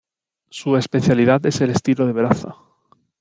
Su especialidad es el estilo de braza.